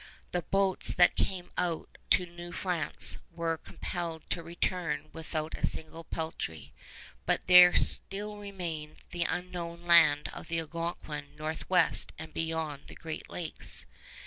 The boats that came out to New France were compelled to return without a single peltry, but there still remained the unknown land of the Algonquin northwest and beyond the Great Lakes.